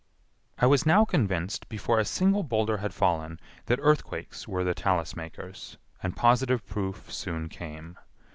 I was now convinced before a single boulder had fallen that earthquakes were the talus makers and positive proof soon came.